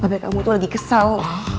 mbak be kamu tuh lagi kesal